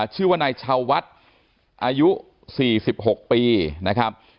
ชื่อว่าในชาววัสต์อายุ๔๖ปีน่าครับ